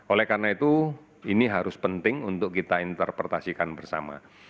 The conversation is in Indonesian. oleh karena itu ini harus penting untuk kita interpretasikan bersama